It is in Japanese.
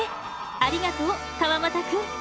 ありがとう川俣くん。